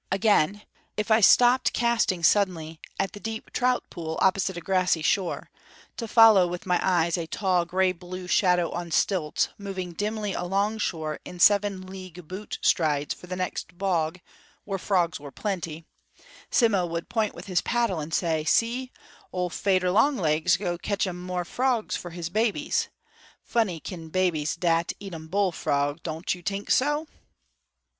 Again, if I stopped casting suddenly at the deep trout pool opposite a grassy shore, to follow with my eyes a tall, gray blue shadow on stilts moving dimly alongshore in seven league boot strides for the next bog, where frogs were plenty, Simmo would point with his paddle and say: "See, Ol' Fader Longlegs go catch um more frogs for his babies. Funny kin' babies dat, eat um bullfrog; don' chu tink so?"